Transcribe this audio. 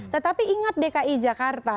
tetapi ingat dki jakarta